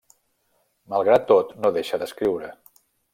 Malgrat tot no deixa d'escriure.